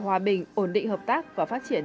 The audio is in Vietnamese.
hòa bình ổn định hợp tác và phát triển